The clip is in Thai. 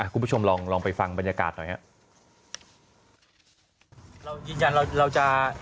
คุณผู้ชมลองไปฟังบรรยากาศหน่อยครับ